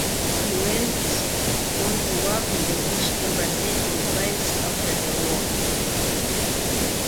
She went on to work in the British embassy in Paris after the war.